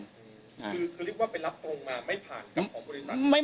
คือเรียกว่าไปรับคำว่าไม่ผ่าน